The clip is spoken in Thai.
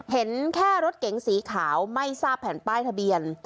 เห็นแค่รถเก๋งสีขาวไม่ทราบแผ่นป้ายทะเบียน